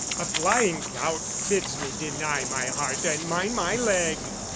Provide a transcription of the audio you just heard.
A flying gout "Bids me deny my heart and mind my leg!"